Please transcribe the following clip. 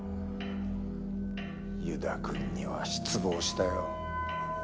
遊田君には失望したよ。